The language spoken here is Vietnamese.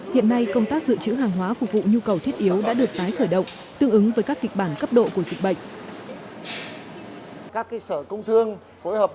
hiện nay công tác dự trữ hàng hóa phục vụ nhu cầu thiết yếu đã được tái khởi động tương ứng với các kịch bản cấp độ của dịch bệnh